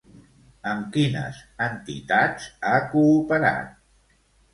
Amb quines entitats ha cooperat?